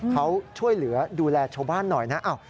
เขาช่วยเหลือดูแลชาวบ้านหน่อยนะ